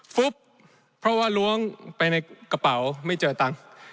ฟุบเพราะว่าล้วงไปในกระเป๋าไม่เจอตังค์